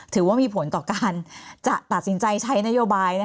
ถือว่ามีผลต่อการจะตัดสินใจใช้นโยบาย